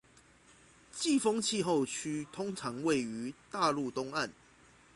季风气候区通常位于大陆东岸